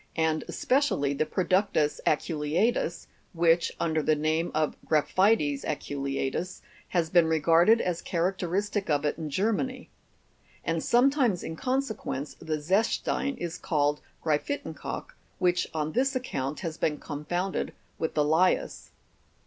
59, 00), and especially the Productus aculea'tus (fig. 59), which, under the name of gry'phites aculedtm^ has been regarded as characteristic of it in Germany ; and sometimes, in consequence, the zechstein is called gryphitcnkalk, which, on this account, has been confounded with the lias.